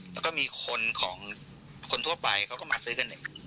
แล้วก็มีคนทั่วไปเขาก็มาซื้อกันเอง